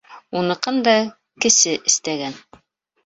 Уныҡын да кесе эстәгән.